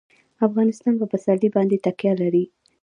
افغانستان په پسرلی باندې تکیه لري.